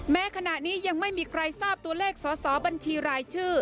แม้ขณะนี้ยังไม่มีใครทราบตัวเลขสอสอบัญชีรายชื่อ